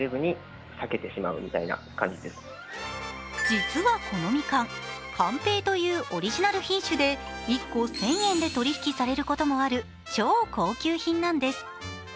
実はこのミカン甘平というオリジナル品種で１個１０００円で取り引きされることもある超高級品なんです。